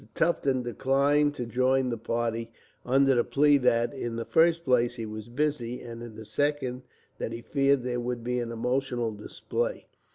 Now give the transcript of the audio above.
Tufton declined to join the party, under the plea that, in the first place, he was busy; and in the second, that he feared there would be an emotional display.